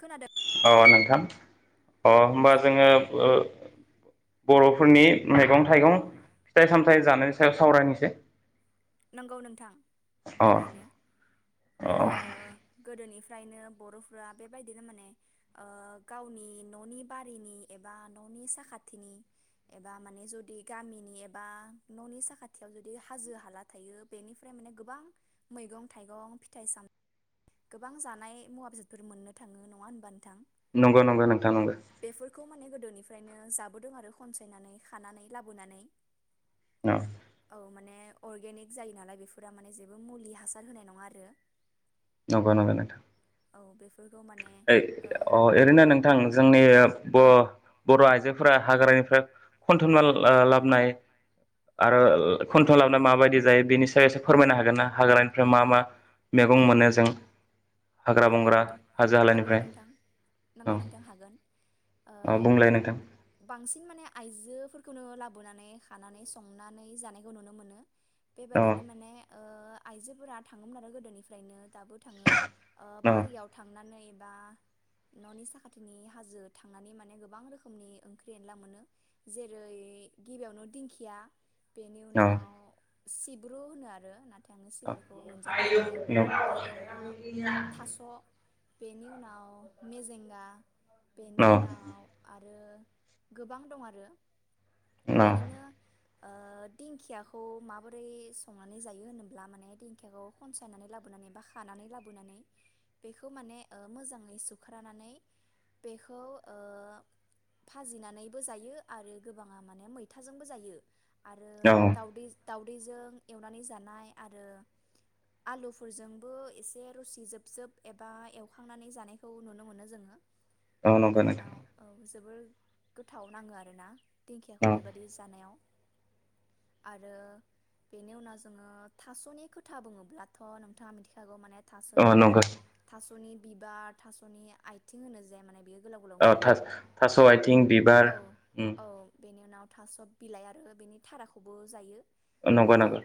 खोनादों अ नोंथां अ होमबा जोङो ओ बरफोरनि मैगं थाइगं फिथाइ सामथाइ जानायनि सायाव सावरायनोसै नंगौ नोंथां अ थारैनो अ माने ओ गोदोनि निफ्रायनो बरफ्रा बेबायदिनो माने ओ गावनि ननि बारिनि एबा ननि साखाथिनि एबा माने जुदि गामिनि एबा ननि साखाथियाव जुदि हाजो हाला थायो बेनिफ्राय माने गोबां मैगं थाइगं फिथाइ साम गोबां जानाय मुवा बेसादफोर मोननो थाङो नङा होमबा नों नंगौ नंगौ नोंथां नंगौ निफ्रायनो जाबोदों आरो खनसायनानै खानानै लाबोनानै औ औ माने अर्गेनिक जायो नालाय बेफोरा माने जेबो मुलि हासार होनाय नङा आरो नंगौ नंगौ नोंथां। औ बेफोरखौ माने ओ अ-ओरैनो नोंथां जोंनि ब बर आइजोफोरा हाग्रानिफ्राय खन्थुमना ला लाबोनाय आरो खन्थुम लाबोना माबायदि जायो बेनि सायाव एसे फोरमायनो हागोन ना हाग्रानिफ्राय मा मा मैगं मोनो जों? हाग्रा नंगौ बंग्रा नोंथां हाजो नंगौ हालानिफ्राय नोंथां नंगौ औ नोंथां हागोन ओ औ बुंलाय नोंथां बांसिन माने आइजोफोरखौनो ला लाबोनानै हानानै संनानै जानायखौ नुनो मोनो बेबादिनो औ माने ओ आइजोफोरा थाङोमोन आरो गोदोनिफ्रायनो दाबो थाङो ओ बारियाव थांनानै बा ननि साखाथिनि हाजो थांनानै माने गोबां रोखोमनि ओंख्रि एनला मोनो जेरै गिबियावनो दिंखिया, बेनि उनाव औ सिब्रु होनो आरो ना थाय आङो औ सिब्रुखौ मोनजाफेराखै औ आरो ओं थास' बेनि उनाव मेजेंगा औ बेनि उनाव आ आरो गोबां दं आरो बेनिनो ओ दिंखियाखौ माबोरै संनानै जायो होनोब्ला माने दिंखियाखौ खनसायनानै लाबोनानै बा खानानै लाबो नानै बेखौ माने ओ मोजाङै सुख्रानानै बेखौ ओ भाजिनानैबो जायो आरो गोबाङा माने मैथाजोंबो जायो। आरो औ दावदै दावदैजों एवनानै जानाय आरो आलुफोरजोंबो एसे रोसि जोबजोब एबा एवखांनानै जानायखौ नुनो मोनो जोङो। औ बेनि नंगौ नोंथां उनाव औ जोबोर गोथाव नाङो आरो ना? औ दिंखियाखौ बेबादि जानायाव आरो बेनि उनाव जोङो थास'नि खोथा बुङोब्लाथ' नोंथाङा मिथिखागौ माने औ थास'खौहाय नंगौ थास'नि बिबार थास'नि आथिं होनो जे माने बेयो। गोलाव गोलाव औ ओंखारनाया थास थास' आथिं औ बिबार उम। औ बेनि उनाव थास' बिलाइ आरो बेनि थराखौबो जायो। नंगौ ओ नंगौ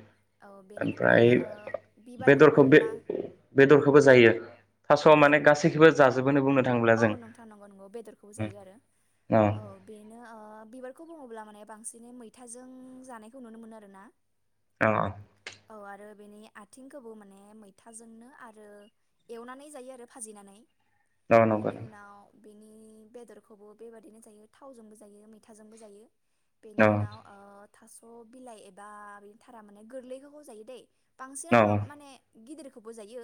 औ बेनिनो माने ओमफ्राय ओ बिबारखौ बेदरखौ बे बुङोब्ला औ बेदरखौबो जायो थास'आ बे माने गासैखौबो जाजोबो बुं औ नोंथां नंगौ नंगौ बेदरखौबो जायो आरो औ बेनो ओ बिबार खौ बुङोब्ला माने बांसिनै मैथाजों जानायखौ नुनो मोनो आरोना अ औ आरो बेनि आथिंखौबो माने मैथाजोंनो आरो एवनानै जायो आरो भाजिनानै औ नंगौ बेनि उनाव बेनि बेदरखौबो बेबादिनो जायो थावजोंबो जायो मैथाजोंबो जायो औ बेनि उनाव ओ थास' बिलाइ एबा बि थारा माने गोरलैखौ जायो दै बांसिनानो माबा माने गिदिरखौबो जायो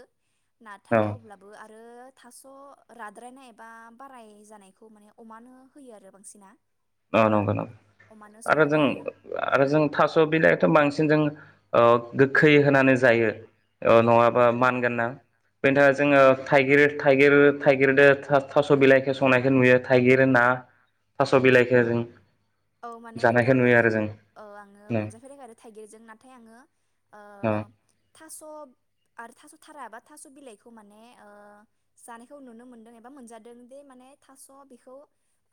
नाथाय अब्लाबो आ आरो थास' राद्रायनाय बा बाराय जानायखौ माने अमानो होयो आरो बांसिना औ नंगौ अमानो आरो संनानै जों होयो आरो जों थास' बिलाइथ' बांसिन जों ओ गोखै होनानै जायो नङाबा मानगोनना बेनि थाखाय जोङो थाइगिर थाइगिर थाइगिर थास' बिलाइखौ संनायखौ नुयो थाइगिर ना थास' बिलाइखौ जों [unintelligible] औ माने जानायखौ नोंथाङा आङो नुयो आरो जों औ आङो औ मोनजाफेराखै आरो थाइगिरजों नाथाय आङो औ थास' आरो थास' थारा एबा थास' बिलाइखौ माने जानायखौ नुनो मोनदों एबा मोनजादों दि माने थास' बेखौ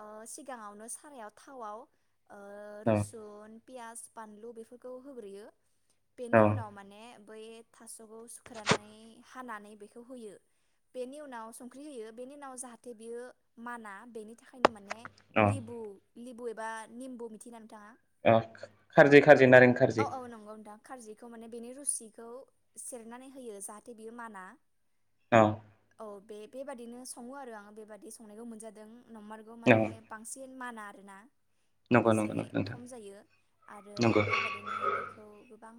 ओ सिगाङावनो सारायाव थावआव ओ रुसुन पियास बानलु बेफोरखौ होग्रोयो बेनि औ उनाव माने बै थास' खौ सुखानानै [unintelligible] हानानै बेखौ होयो बेनि उनाव संख्रि होयो बेनि उनाव जाहाथे बियो माना बेनि थाखायनो माने औ लिबु लिबु एबा निमबु मिथि अ खारजि खारजि नारें औ खारजि औ नंगौ नोंथां खारजिखौ माने बेनि रुसिखौ सेरनानै होयो जाहाथे बियो माना औ औ बे बेबादिनो सङो आरो आं बेबादि संनायखौ मोनजादों नंमारगौ औ माने बांसिन माना आरोना। नंगौ एसे नंगौ नंगौ नोंथां खम जायो आरो नंगौ बेबादिनो बेखौ गोबां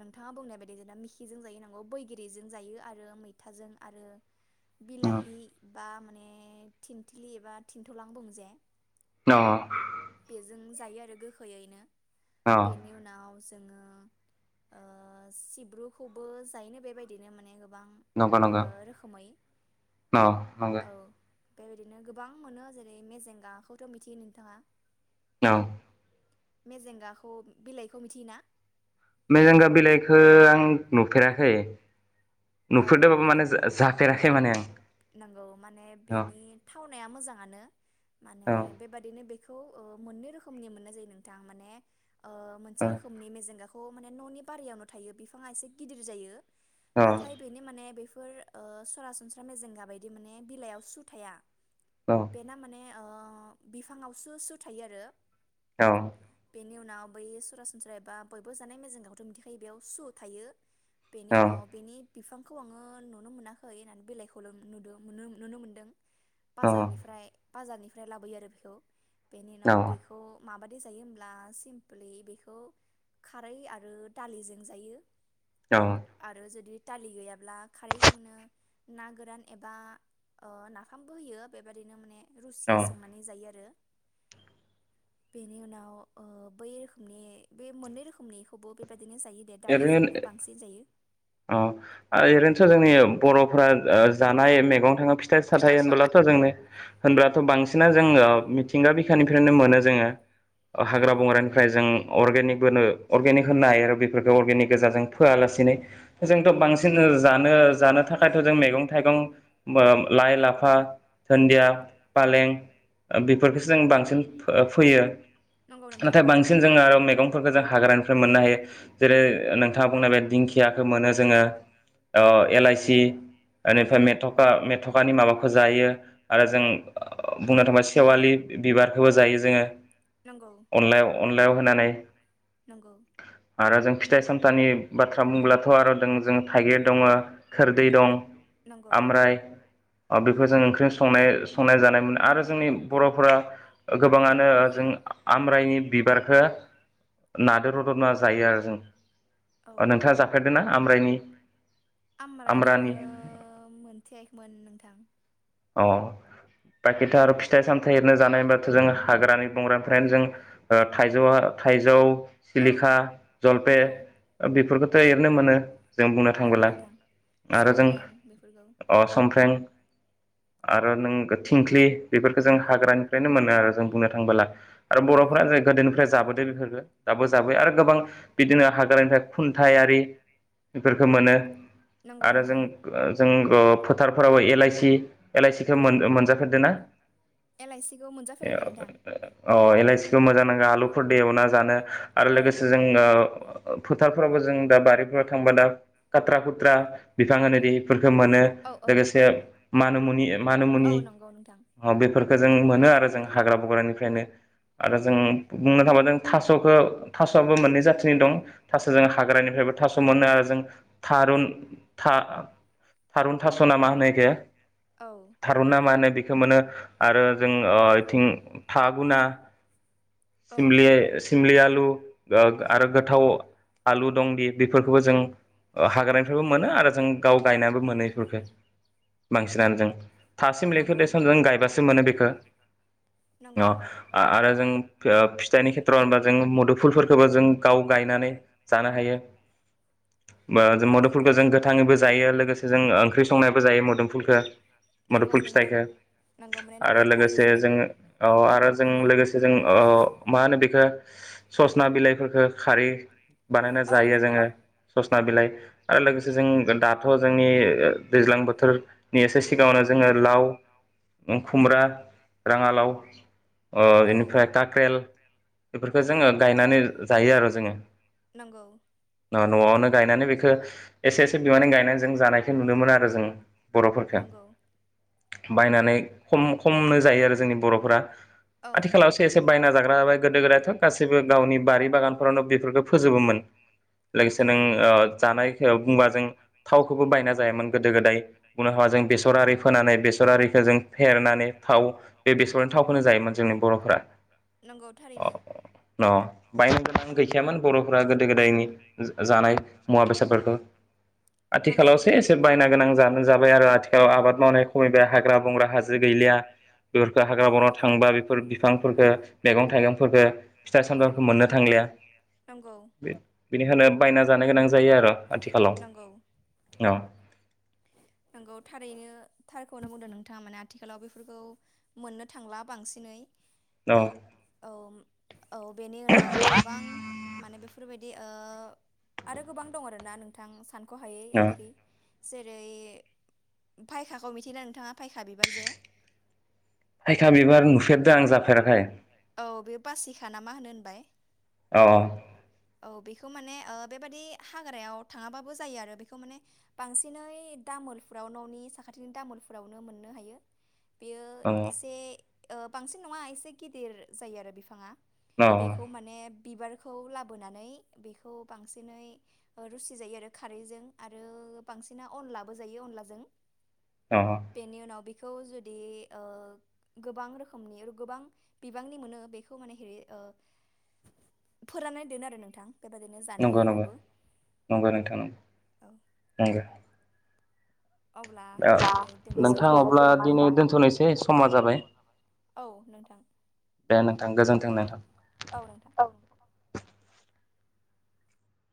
नोंथाङा बुंनाय बायदि जोंना मिखिजों जायो नांगौ बैग्रिजों जायो आरो मैथाजों आरो अ बिलााहि बा माने थिनथिलि एबा थिनथ'लां बुंजाया औ बेजों जायो आरो गोखैयैनो अ बेनि उनाव जोङो ओ सिब्रुखौबो जायोनो बेबायदिनो माने गोबां नंगौ ओ नंगौ रोखोमै औ नंगौ औ बेबायदिनो गोबां मोनो जेरै मेजेंगाखौथ' मिथियो नोंथाङा? औ मेजेंगाखौ बिलाइखौ मिथियो ना? मोजेंगा बिलाइखौ आं नुफेराखै औ नुफेरदोंबाबो माने जाफेराखै माने आं नंगौ माने औ बेनि थावनाया मोजाङानो माने औ बेबादिनो बेखौ खौ मोननै रोखोमनि मोननाय जायो नोंथां माने मोनसे औ रोखोमनि मेजेंगा माने न'नि बारियावनो थायो बिफाङा एसे गिदिर जायो। नाथाय बेनो माने बेफो बेफोर सरासनस्रा मेजेंगा बायदि माने बिलाइयाव सु थाया। औ बेना माने बिफाङावसो सु थायो आरो औ बेनि उनाव बै सरासनस्रा एबा बयबो जानाय मेजेंगाखौथ' मिथिखायो बेयाव सु थायो। बेनि औ उनाव बेनि बिफांखौ आङो नुनो मोनाखै होननानै बेलाइखौल' नु नुनो मोनदों। बाजारनिफ्राय बाजारनिफ्राय लाबोयो आरो बेखौ बेनि उनाव बेखौ माबादि जायो होमब्ला सिमपोलै बेखौ खारै आरो दालिजों जायो औ आरो जुदि दालि गैयाब्ला खारैजोंनो ना गोरान एबा नाफामबो होयो बिबादिनो माने रुसि औ संनानै जायो आरो बेनि उनाव बै रोखोमनि बे मोननै रोखोमनिखौबो बेबादि बिदिनो जायो दे ओरैनो दालिजोंनो बांसिन जायो अ ओरैनोथ' जोंनि बर'फोरा जानाय मैगं थाङो फिथाइ साथाय होनबोब्लाथ' जोंनो होनब्लाथ' बांसिना जोङो मिथिंगा बिखानिफ्रायनो मोनो जोङो हाग्रा नंगौ बंग्रानिफ्राय जों अर्गेनिक बोनो अर्गेनिक होनो हायो आरो बेफ फोरखौ अर्गेनिक गोजाजों फोआलासिनो जोंथ' बांसिन जानो जानो थाखायथ' जों मैगं थाइगं लाइ लाफा धोन्दिया फालें बेफोरखौसो जों बांसिन फैयो नंगौ नोंथां नाथाय बांसिन जोंङो आरो मैगंफोरखौ जों हाग्रानिफ्राय मोननो हायो। नोंथाङा बुंनाय बे दिंखियाखौ मोनो जोङो ओ एलाइसि नंगौ बेनिफ्राय मेथखा मेथ'कानि माबा जायो आरो जों बुंनो थांबा सेवालि बिबारखौबो जायो जोङो नंगौ अनलायाव अनलायाव होनानै नंगौ आरो जों फिथाइ सामथानि बाथ्रा बुङोब्लाथ' आरो दों जों थाइगिर दङ खोरदै दं नंगौ आमराय ओ बि बेखौ जों ओंख्रि संनाय संनाय जानाय मोन आरो जोंनि बर'फोरा गोबाङानो जों आमब्राइनि बिबारखौ नाजों रदर ना जायो आरो जों औ जाफेरदोंना आमब्रायनि आम्राइखौ आमब्रानि आङो मोनथेयाखैमोन नोंथां अ बाखिथा आरो फिथाइ सामथायाइ एरनो जानाय होनबाथ' जों हाग्रानि बंग्रानिफ्रायनो जों थाइजौआ थाइजौ औ सिलिखा जलपे औ बेफोरखो दं एरैनो मोनो जों बुंनो नंगौ थांबोला नोंथां आरो जों समफ्रें बेफोरखौ अ समफ्रें आरो नों थिंख्लि बेफोरखौ जों हाग्रानिफ्रायनो मोनो आरो जों बुंनो थांबोला आरो नंगौ बर'फ्रा जे गोदोनिफ्राय जाबोदों बेफोरबो दाबो जाबाय आरो गोबां बिदिनो हाग्रानिफ्राय खुन्थायारि बेफोरखौ मोनो नंगौ आरो जों नोंथां जों ओ फोथारफोरावबो एलाइसि एलाइसिखौ मोन-मोनजाफेरदो ना? एलआइसि खौ मोनजाफेराखै नोंथां अ एलाइसिखौ मोजां नाङो आलुफोर दोवना एवना जानो आरो औ लोगोसे जोङो फोथारफोरावबो जों दा बारिफोराव थांबा दा खाथ्रा खुथ्रा बिफां होनोदि फोर मोनो औ औ लोगोसे मानु मुनि मानु औ मुनि नंगौ नोंथां बेफोर जों मोनो आरो जों हाग्रा बग्रानिफ्रायनो औ आरो जों बुंनो थाबोदों थास'खौ थास'आबो मोननै जाथिनि दं थास' जों हाग्रानिफ्रायबो थास' मोनो आरो जों थारुन था थारुन थास' ना मा होनो एखो औ थारुना माहोनो बेख खो मोनो आरो जों ओ इथिं थागुना औ सिमलि सिमलि आल थु गो आरो गोथाव आलु दंदि बेफोरखौबो जों ओ हाग्रानिफ्रायबो मोनो आरो जों गाव गायनानैबो मोनो इफोरखो बांस सिनानो जों था सिमलि खो नंगौ देसन जों गायबासो मोनो बेखो नंगौ अ आरो जों खोब फिथाइनि खेथ्र'आवनो जों मदुफुलफोर खोबो जों गाव गायनानै जानो हायो बा जों नंगौ मदुफुलखौ जों गोथाङैबो जायो लोगोसे जों ओंख्रि संनायबो जायो मदुफुलख नंगौ मदुफुल नोंथां फिथाइखो नंगौ माने आरो नोंथाङा थारैनो लोगोसे जोङो अ आरो जों होनदों लोगोसे जों औ ओ मा होनो बेखो ओ ससना बिलाइफोरखो खारै बानायना औ जायो नंगौ जोङो ससना बिलाइ आरो लोगोसे जों गोल दाथ' जोंनि ओ दैज्लां बोथोर नि एसे सिगाङावनो जोङो लाव ओ खुमब्रा, राङालाव अ औ बेनिफ्राय काक्रेल बेफोरखो जोङो गायनानै जायो आरो जोङो। नंगौ। ओ न'आवनो गायनानै बेखो इसे इसे बिबांनि गायनानै जों जानायखौ नुनो मोनो आरो जों। बर'फोरखो नंगौ बायनानै खम खमनो जायो आरो जोंनि बर'फोरा। औ आथिखालावसो एसे बायना जाग्रा जाबाय गोदो गोदायथ' गासैबो गावनि बारि बागानफोरावनो बेफोरखो फोजोबोमोन लोगोसे नों नंगौ ओ जानायखो बुंबा जों थावखौबो बायना जायामोन गोदो गोदाय थावा जों बेसर आरि फोनानै बेसर आरिखो जों फेरनानै थाव बे बेसरनि थावखोनो जाय जोंनि बर'फोरा नंगौ अ थारैनो अ न बायनो गोनां गैखायामोन बर'फोरा गोदो गोदायनि जा जानाय मुवा बेसादफोरखो नंगौ आथिखालावसो एसे बायना गोनां जान बाय आरो आथिखालाव आबाद मावनाय खमायबाय हाग्रा बंग्रा हाजो गैलिया बेफोरखो हाग्रा बंग्रा थांबा बेफोर बिफांफोरखो मैगं थाइगंफोरखो फिथाइ सामथाइखो मोननो थांलिया नंगौ बे बेनिखायनो बायना जानो गोनां जायो आर' आथिखालाव नंगौ अ नोंगौ थारैनो थारखौ नो बुंदों नोंथाङा माने आथिखालाव बेफोरखौ मोननो थांलाब बांसिनै औ औम औ बेनि उनाव गोबां माने बेफोरबायदि ओ आरो गोबां दं आरोना नोंथां सान ख'हायै औ ओंख्रि जेरै फायखाखौ मिथियो ना नोंथाङा फायखा बिबार जे थाइखा बिबार नुफेरदों आं जाफेराखै औ बेयो बासिखा नामा होनो होनबाय। अ औ बेखौ माने ओ बेबादि हाग्रायाव थाङाबाबो जायो आरो बेखौ माने बांसिनै दामोलफोराव न'नि साखाथिनि दामोलफोरावनो मोननो हायो। बियो अ इसे ओ बांसिन नङा इसे गिदिर जायो आरो बिफाङा। अ बेखौ माने बिबारखौ लाबोनानै बेखौ बांसिनै रुसि जायो आरो खारैजों आरो बांसिना अनलाबो जायो अनलाजों अ बेनि उनाव बि खौ जुदि ओ गोबां रोखोमनि गोबां बिबांनि मोनो बेखौ माने हेरै ओ फोराननानै दोनो आरो नोंथां। बेबायदिनो जानो नंगौ हायो नंगौ उनावबो नंगौ नोंथां नंगौ औ नंगौ अब्ला दिनै ओ दोननोसै नोंथां नामा अब्ला दिनै दोनथ'नोसै समा जाबाय। औ नोंथां दे नोंथां गोजोन्थों नोंथां। औ नोंथां